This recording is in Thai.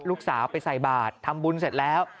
ลูกสาวไปใส่บาททำบุญเสร็จแล้ว